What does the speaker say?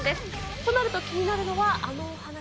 となると、気になるのはあのお話。